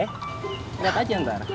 ketat aja ntar